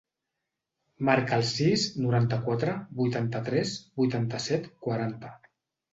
Marca el sis, noranta-quatre, vuitanta-tres, vuitanta-set, quaranta.